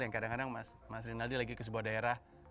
yang kadang kadang mas rinaldi lagi ke sebuah daerah